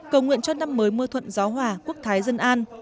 cầu nguyện cho năm mới mưa thuận gió hòa quốc thái dân an